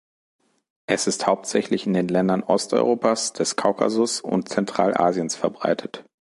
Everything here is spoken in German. Es ist hauptsächlich in den Ländern Osteuropas, des Kaukasus und Zentralasiens verbreitet.